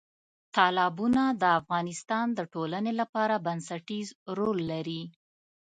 تالابونه د افغانستان د ټولنې لپاره بنسټیز رول لري.